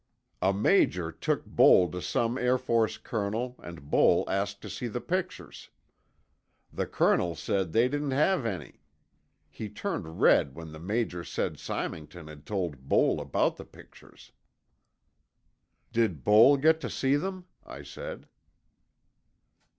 "A major took Boal to some Air Force colonel and Boal asked to see the pictures. The colonel said they didn't have any. He turned red when the major said Symington had told Boal about the pictures." "Did Boal get to see them?" I said.